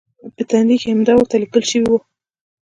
په تندي کې همدا ورته لیکل شوي و.